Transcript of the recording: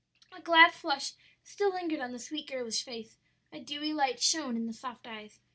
"A glad flush still lingered on the sweet, girlish face, a dewy light shone in the soft eyes.